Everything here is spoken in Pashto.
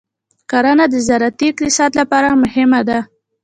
کرنه د زراعتي اقتصاد لپاره مهمه ده.